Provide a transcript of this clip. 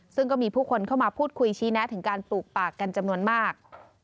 ซึ่งก็มีผู้คนเข้ามาพูดคุยชี้แนะถึงการปลูกปากกันจำนวนมาก